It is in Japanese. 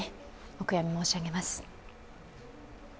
お悔やみ申し上げます。